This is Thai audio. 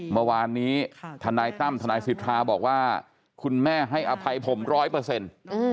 เมื่อวานนี้ทนายตั้มทนายสิทธาบอกว่าคุณแม่ให้อภัยผมร้อยเปอร์เซ็นต์